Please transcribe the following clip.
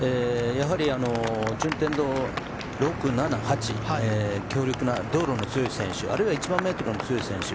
順天堂、６、７、８強力な道路の強い選手あるいは１００００ｍの強い選手